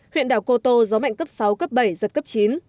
huyện đảo cô tô gió mạnh cấp sáu cấp bảy giật cấp chín